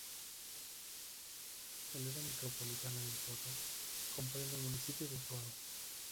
El área micropolitana de Utuado comprende el municipio de Utuado.